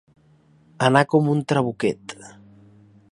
Anar com un trabuquet.